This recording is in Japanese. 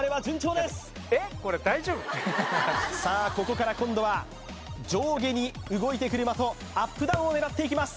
さあここから今度は上下に動いてくる的アップダウンを狙っていきます